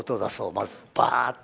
まずバーッて。